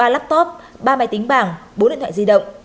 ba laptop ba máy tính bảng bốn điện thoại di động